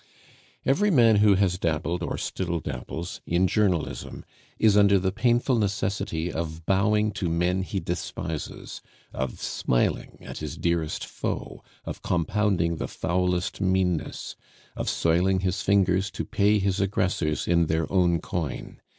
Every man who has dabbled, or still dabbles, in journalism is under the painful necessity of bowing to men he despises, of smiling at his dearest foe, of compounding the foulest meanness, of soiling his fingers to pay his aggressors in their own coin.